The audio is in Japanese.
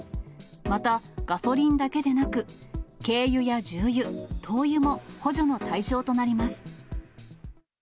また、ガソリンだけでなく、軽油や重油、灯油も、補助の対象となります。